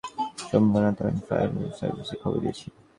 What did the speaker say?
যখন দেখেছি আগুন নিয়ন্ত্রণে আনা সম্ভব না, তখন ফায়ার সার্ভিসে খবর দিয়েছি।